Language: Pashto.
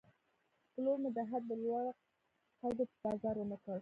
پلور مې د عهد، د لوړ قدو په بازار ونه کړ